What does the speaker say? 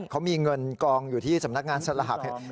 เขามีเงินกองอยู่ที่สำนักงานสลาก